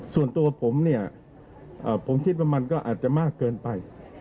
ส่วนตัวผมเนี่ยผมคิดว่ามันก็อาจจะมากเกินไป